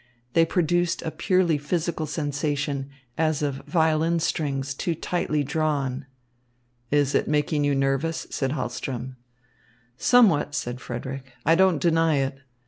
They produced a purely physical sensation, as of violin strings too tightly drawn. "Is it making you nervous?" asked Hahlström. "Somewhat," said Frederick. "I don't deny it.